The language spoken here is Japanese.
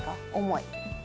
重い？